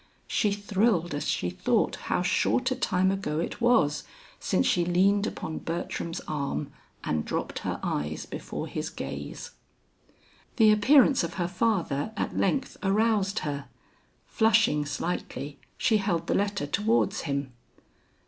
She thrilled as she thought how short a time ago it was, since she leaned upon Bertram's arm and dropped her eyes before his gaze. The appearance of her father at length aroused her. Flushing slightly, she held the letter towards him.